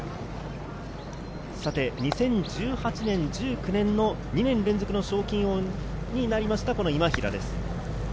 ２０１８年、１９年の２年連続の賞金王になりました、今平です。